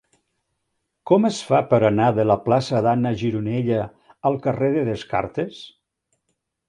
Com es fa per anar de la plaça d'Anna Gironella al carrer de Descartes?